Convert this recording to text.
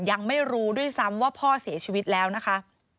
ยังไม่รู้ด้วยซ้ำว่าพ่อเสียชีวิตแล้วนะคะ